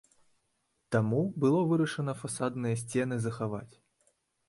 Таму было вырашана фасадныя сцены захаваць.